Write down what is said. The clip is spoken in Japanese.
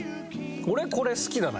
俺これ好きだな。